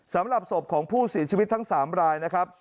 สำหรับศพของผู้เสียชีวิตทั้ง๓รายนะครับ